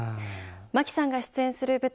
牧さんが出演する舞台